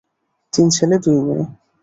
তিন ছেলে, দুই মেয়ে।